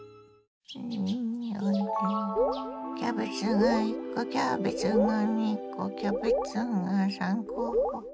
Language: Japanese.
キャベツが１コキャベツが２コキャベツが３コ。